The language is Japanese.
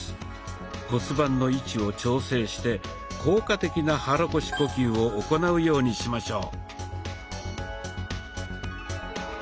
骨盤の位置を調整して効果的な肚腰呼吸を行うようにしましょう。